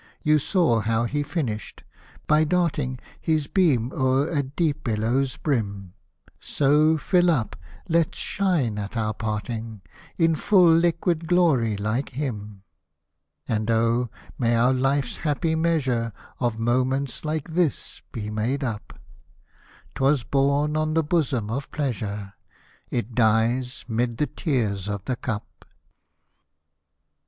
You saw how he finished, by darting His beam o'er a deep billow's brim — So, fill up, let's shine at our parting, In full liquid glory, like him. And oh ! may our life's happy measure Of moments like this be made up, 'Twas born on the bosom of Pleasure, It dies 'mid the tears of the cup.